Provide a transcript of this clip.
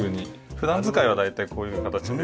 普段使いは大体こういう形で。